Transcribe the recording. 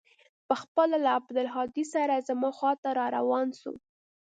پخپله له عبدالهادي سره زما خوا ته راروان سو.